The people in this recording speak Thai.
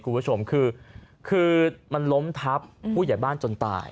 คุณผู้ชมคือมันล้มทับผู้ใหญ่บ้านจนตาย